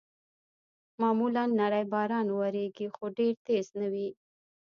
معمولاً نری باران اورېږي، خو ډېر تېز نه وي.